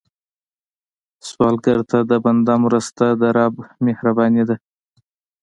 سوالګر ته د بنده مرسته، د رب مهرباني ده